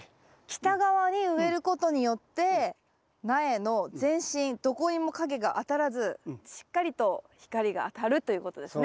北側に植えることによって苗の全身どこにも影が当たらずしっかりと光が当たるということですね。